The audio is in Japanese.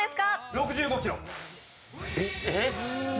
６５ｋｇ。